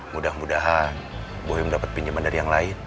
mudah mudahan boy mendapat pinjaman dari yang lain